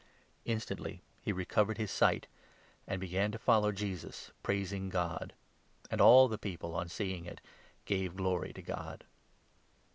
Instantly he recovered his sight, and began to follow Jesus, 43 praising God. And all the people, on seeing it, gave glory to God.